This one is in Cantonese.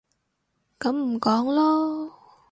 噉唔講囉